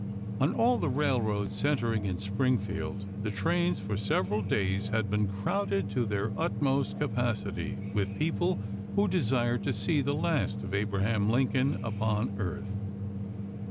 On all the railroads centering in Springfield the trains for several days had been crowded to their utmost capacity with people who desired to see the last of Abraham Lincoln upon earth.